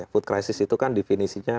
food crisis itu kan definisinya